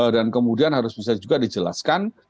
dan kemudian harus bisa juga dijelaskan